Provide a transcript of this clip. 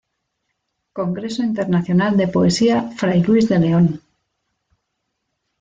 Congreso Internacional de Poesía Fray Luis de León".